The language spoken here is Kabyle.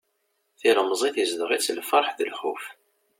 Tilemẓit izdeɣ-itt lferḥ d lxuf.